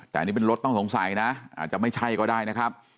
แต่อันนี้เป็นรถต้องสงสัยนะอาจจะไม่ใช่ก็ได้นะครับ